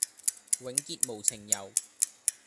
永結無情遊，